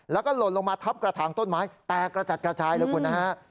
แล้วก็หล่นลงมาทับกระทางต้นไม้แตกกระจัดกระจายเลยคุณนะฮะ